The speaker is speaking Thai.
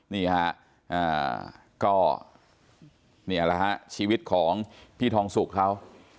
นี่ฮะก็นี่แหละฮะชีวิตของพี่ทองสุกเขา